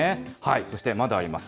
そしてまだあります。